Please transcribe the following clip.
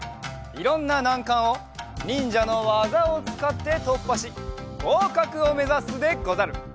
いろんななんかんをにんじゃのわざをつかってとっぱしごうかくをめざすでござる。